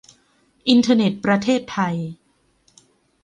อินเทอร์เน็ตประเทศไทย